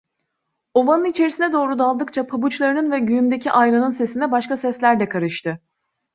Ovanın içerisine doğru daldıkça pabuçlarının ve güğümdeki ayranın sesine başka sesler de karıştı.